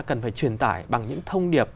cần phải truyền tải bằng những thông điệp